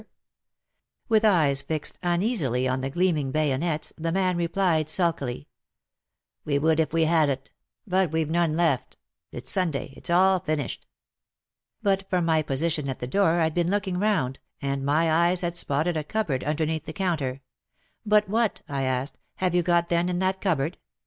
WAR AND WOMEN 103 With eyes fixed uneasily on the gleaming bayonets, the man replied sulkily, '' We would if we had it, but we've none left — it's Sunday — it's all finished." But from my position at the door I'd been looking round, and my eyes had spotted a cup board underneath the counter, " But what," I asked, " have you got then in that cupboard